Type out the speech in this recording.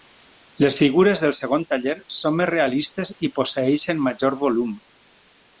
Les figures del segon taller són més realistes i posseeixen major volum.